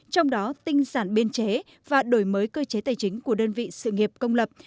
trong đó tinh sản biên chế và đổi mới cơ chế tài chính của đơn vị sự nghiệp công lập